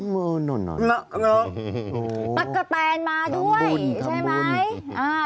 กระแทนมาด้วยใช่ไหม